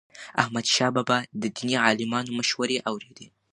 احمدشاه بابا به د دیني عالمانو مشورې اوريدي.